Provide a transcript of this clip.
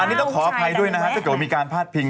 อันนี้ต้องขออภัยด้วยถ้ามีการพลาดพิง